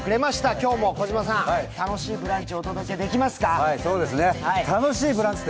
今日も楽しい「ブランチ」をお届けできますか？